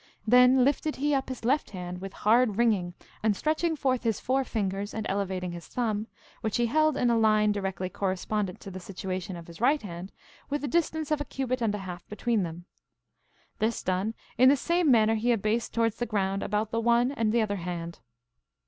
Then lifted he up his left hand, with hard wringing and stretching forth his four fingers and elevating his thumb, which he held in a line directly correspondent to the situation of his right hand, with the distance of a cubit and a half between them. This done, in the same form he abased towards the ground about the one and the other hand.